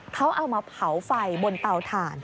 เขาเอามาเผาไฟบนเตาถ่าน